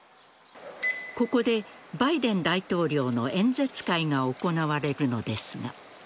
ここでバイデン大統領の演説会が行われるのですが。